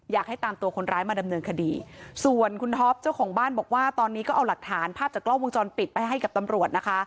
อยากให้ตามตัวคนร้ายมาดำเนินคดีส่วนคุณท็อปเจ้าของบ้านบอกว่าตอนนี้ก็เอาหลักฐานภาพจากกล้องวงจรปิดไปให้กับตำรวจนะคะ